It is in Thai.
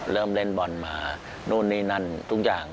เริ่มเล่นบอลมานู่นนี่นั่นทุกอย่าง